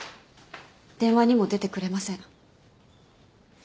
電話にも出てくれません。